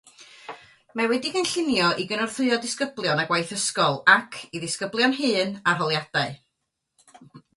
Mae wedi'i gynllunio i gynorthwyo disgyblion â gwaith ysgol ac, i ddisgyblion hyn, arholiadau.